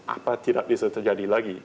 apa tidak bisa terjadi lagi